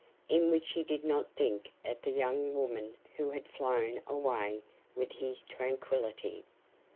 in which he did not think of the young woman who had flown away with his tranquillity.